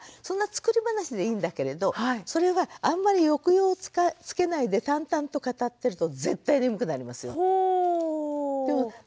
そんな作り話でいいんだけれどそれがあんまり抑揚をつけないで淡々と語ってると絶対眠くなりますよ。